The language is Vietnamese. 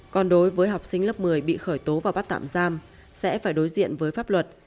còn đối với học sinh lớp một mươi bị khởi tố và bắt tạm giam sẽ phải đối diện với pháp luật